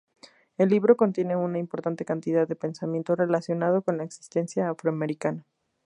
El libro contiene una importante cantidad de pensamiento relacionado con la existencia afroamericana.